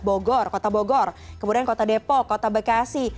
bogor kota bogor kemudian kota depok kota bekasi